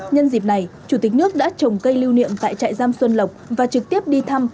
nhân dịp này chủ tịch nước đã trồng cây lưu niệm tại trại giam xuân lộc và trực tiếp đi thăm